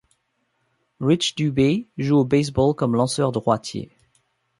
Rich Dubee joue au baseball comme lanceur droitier.